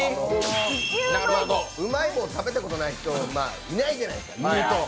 うまい棒食べたことない人いないじゃないですか。